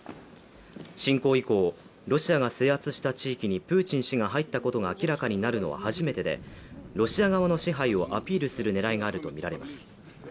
侵攻以降、ロシアが制圧した地域にプーチン氏が入ったことが明らかになるのは初めてでロシア側の支配をアピールする狙いがあるとみられます。